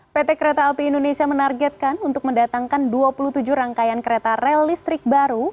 pt kereta api indonesia menargetkan untuk mendatangkan dua puluh tujuh rangkaian kereta rel listrik baru